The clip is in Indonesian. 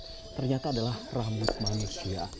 ini ternyata adalah rambut manusia